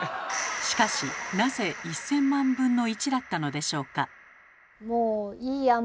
しかしなぜ１，０００万分の１だったのでしょうか。